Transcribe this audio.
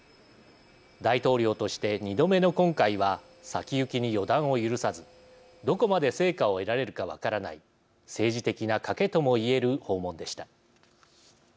大統領として２度目の今回は先行きに予断を許さずどこまで成果を得られるか分からない政治的な賭けとも言える訪問でした。